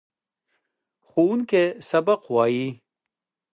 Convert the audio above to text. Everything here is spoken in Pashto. ښوونکی سبق وايي.